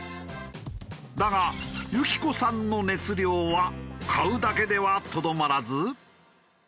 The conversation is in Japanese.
だがゆきこさんの熱量は買うだけではとどまらず。